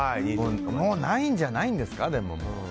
もうないんじゃないですか。